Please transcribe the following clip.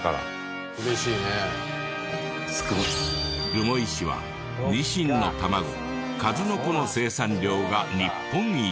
留萌市はニシンの卵数の子の生産量が日本一。